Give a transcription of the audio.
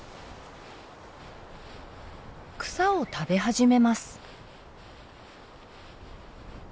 草を食べ始めます。